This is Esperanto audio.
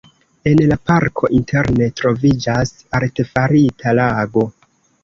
En la parko interne troviĝas artefarita lago.